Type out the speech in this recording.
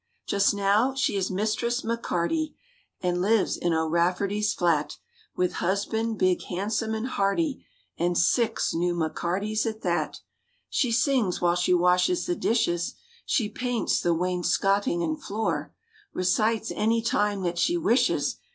* Just now—she is Mistress McCarty, And lives—in O'Raferty's Flat; With husband, big, handsome and hearty. And six new McCartys at that. She sings—while she washes the dishes; She paints—the wainscoting and floor; Recites—anytime that she wishes.